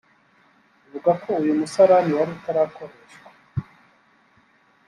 Bivugwa ko uyu musarani wari utarakoreshwa